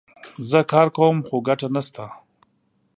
زه کار کوم ، خو ګټه نه سته